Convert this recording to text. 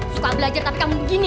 suka belajar tapi kamu begini